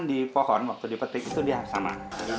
di pohon waktu dipetik itu dia sama